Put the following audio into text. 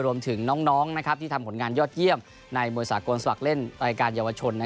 รวมถึงน้องที่ทำผลงานยอดเยี่ยมในมวยสากลสมัครเล่นรายการเยาวชน